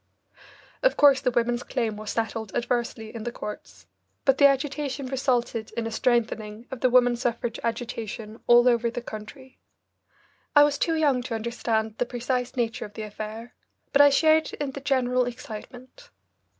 Of course the women's claim was settled adversely in the courts, but the agitation resulted in a strengthening of the woman suffrage agitation all over the country. I was too young to understand the precise nature of the affair, but I shared in the general excitement.